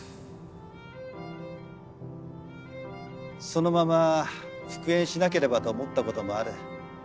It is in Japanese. そのまま復縁しなければと思ったこともある。